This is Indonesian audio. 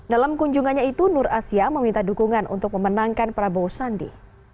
dalam kunjungannya itu nur asia meminta dukungan untuk memenangkan prabowo sandi